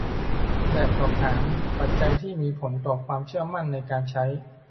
แบบสอบถาม : ปัจจัยที่มีผลต่อความเชื่อมั่นในการใช้